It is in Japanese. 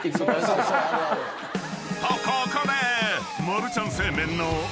［とここで］